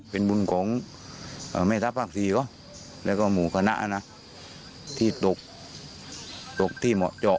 เป็นบุญของแม่ทัพภาค๔แล้วก็หมู่คณะนะที่ตกตกที่เหมาะเจาะ